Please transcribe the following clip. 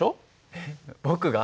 えっ僕が？